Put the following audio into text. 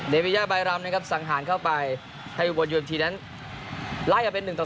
เดวิยาใบรำเนี่ยครับสั่งหาญเข้าไปให้อุบวนยูเอมทีนั้นไล่ออกเป็น๑๒